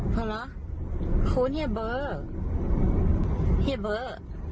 พอล๋อโค้งแขกเบอร์แขกเบอร์